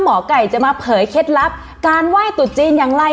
หมอไก่จะมาเผยเคล็ดลับการไหว้ตุจีนอย่างไร